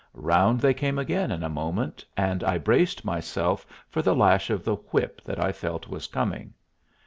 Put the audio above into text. Round they came again in a moment, and I braced myself for the lash of the whip that I felt was coming.